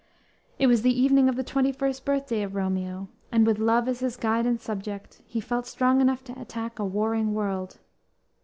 It was the evening of the twenty first birthday of Romeo, and with love as his guide and subject, he felt strong enough to attack a warring world.